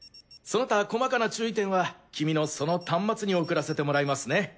その他細かな注意点は君のその端末に送らせてもらいますね。